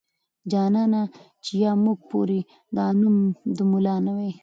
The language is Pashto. جانانه چې يا موږ پورې دا نوم د ملا نه واي.